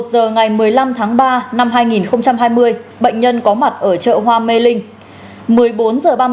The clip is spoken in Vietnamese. một mươi một h ngày một mươi năm tháng ba năm hai nghìn hai mươi bệnh nhân có mặt ở chợ hoa mê linh